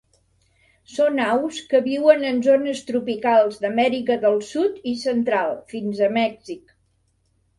Són aus que viuen en zones tropicals d'Amèrica del Sud i Central fins a Mèxic.